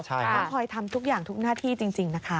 ต้องคอยทำทุกอย่างทุกหน้าที่จริงนะคะ